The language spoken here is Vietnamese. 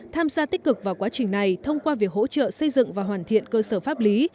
tham gia tích cực vào quá trình này thông qua việc hỗ trợ xây dựng và hoàn thiện cơ sở pháp lý